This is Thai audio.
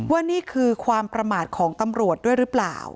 ว่านี่คือความประมาทของตำรวจด้วยหรือเปล่า